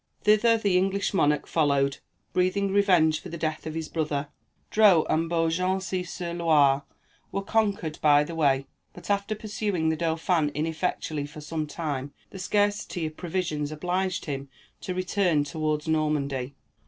Thither the English monarch followed, breathing revenge for the death of his brother. Dreux and Beaugency sur Loire were conquered by the way; but after pursuing the Dauphin ineffectually for some time, the scarcity of provisions obliged him to return toward Normandy.